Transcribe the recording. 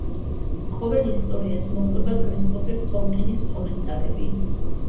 ყოველ ისტორიას მოჰყვება კრისტოფერ ტოლკინის კომენტარები.